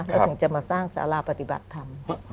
เขาถึงจะมาสร้างสาราปฏิบัติธรรม